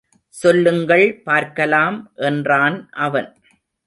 சொல்லுங்கள் பார்க்கலாம் என்றான் அவன்.